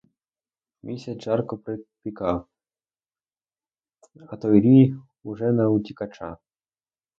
Місяць жарко припікав, а той рій уже на утікача!